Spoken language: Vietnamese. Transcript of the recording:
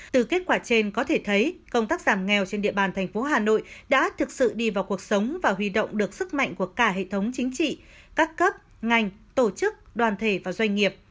từ kết quả trên có thể thấy công tác giảm nghèo trên địa bàn thành phố hà nội đã thực sự đi vào cuộc sống và huy động được sức mạnh của cả hệ thống chính trị các cấp ngành tổ chức đoàn thể và doanh nghiệp